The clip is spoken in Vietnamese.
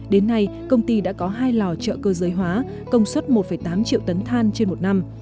đến nay công ty đã có hai lò chợ cơ giới hóa công suất một tám triệu tấn than trên một năm